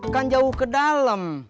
kan jauh ke dalam